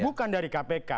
bukan dari kpk